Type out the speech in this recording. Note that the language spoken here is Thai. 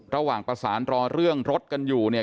ระหว่างประสานรอเรื่องรถกันอยู่เนี่ย